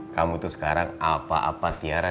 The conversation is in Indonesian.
kamu tuh sekarang apa apa tiara